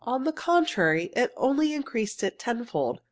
On the contrary, it only increased it tenfold.